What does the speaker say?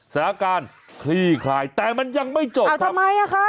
สถานการณ์คลี่คลายแต่มันยังไม่จบอ้าวทำไมอ่ะคะ